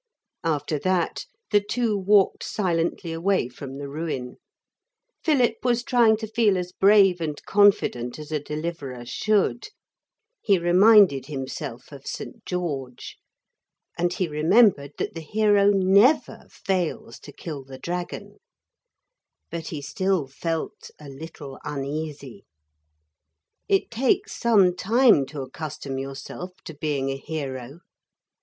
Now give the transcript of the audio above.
After that the two walked silently away from the ruin. Philip was trying to feel as brave and confident as a Deliverer should. He reminded himself of St. George. And he remembered that the hero never fails to kill the dragon. But he still felt a little uneasy. It takes some time to accustom yourself to being a hero.